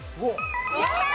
やったー！